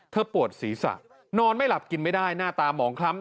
ปวดศีรษะนอนไม่หลับกินไม่ได้หน้าตาหมองคล้ำ